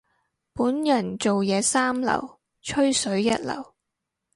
本人做嘢三流，吹水一流。